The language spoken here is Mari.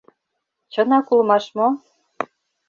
Чынак улмаш мо?